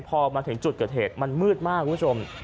พอมาถึงจุดเกิดเหตุมันมืดมากคุณผู้ชม